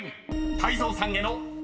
泰造さんへの問題］